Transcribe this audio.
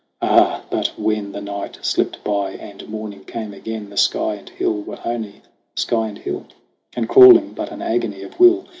Ah, but when The night slipped by and morning came again, The sky and hill were only sky and hill And crawling but an agony of will.